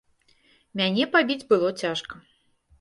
Мяне пабіць было цяжка.